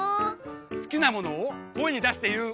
すきなものをこえにだしていう。